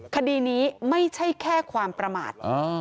คดีนี้ไม่ใช่แค่ความประมาท